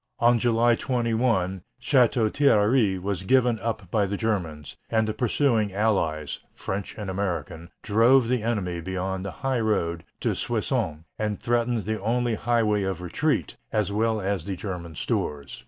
On July 21 Château Thierry was given up by the Germans, and the pursuing Allies, French and American, drove the enemy beyond the highroad to Soissons, and threatened the only highway of retreat, as well as the German stores.